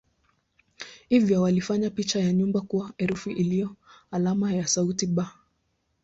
Hivyo walifanya picha ya nyumba kuwa herufi iliyo alama ya sauti "b".